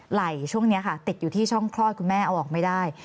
ไหล่ช่วงนี้ค่ะติดอยู่ที่ช่องคลอดคุณแม่เอาออกไม่ได้